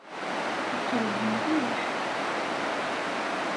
Yeqreb mliḥ.